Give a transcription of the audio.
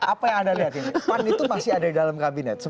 apa yang anda lihat ini pan itu masih ada di dalam kabinet